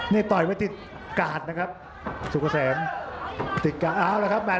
เนี่ยต่อยไว้ติดการ์ดนะครับซุกเกษมติดการ์ดเอาละครับแมท